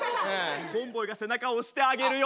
コンボイが背中を押してあげるよ。